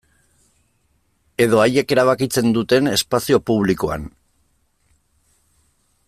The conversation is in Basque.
Edo haiek erabakitzen duten espazio publikoan.